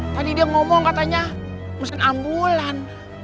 tadi dia ngomong katanya mesin ambulan